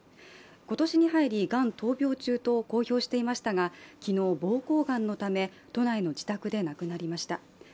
今年に入り、がん闘病中と公表していましたが昨日、ぼうこうがんのため、都内の自宅で亡くなりました。